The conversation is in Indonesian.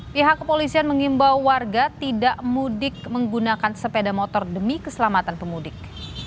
pihak kepolisian mengimbau warga tidak mudik menggunakan sepeda motor demi keselamatan pemudik